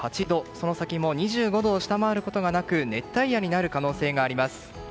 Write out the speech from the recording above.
その先も２５度を下回ることがなく熱帯夜になる可能性があります。